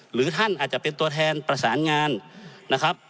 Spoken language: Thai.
หรือท่านอาจจะเป็นตัวแทนประสานงานนะครับ